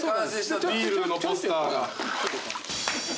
ビールのポスターが。